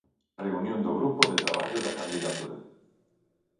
Reunión do grupo de traballo da candidatura.